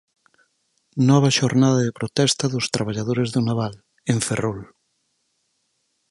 Nova xornada de protesta dos traballadores do naval, en Ferrol.